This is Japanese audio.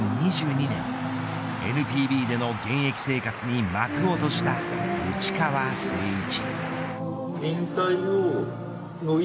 ２２年ＮＰＢでの現役生活に幕を閉じた内川聖一。